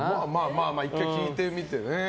まあ１回聞いてみてね。